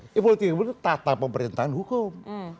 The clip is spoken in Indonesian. ini politik hukum itu tata pemerintahan hukum